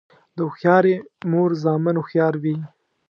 د هوښیارې مور زامن هوښیار وي.